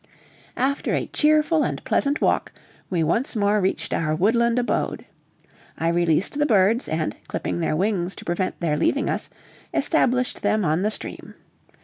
After a cheerful and pleasant walk, we once more reached our woodland abode. I released the birds and, clipping their wings to prevent their leaving us, established them on the stream.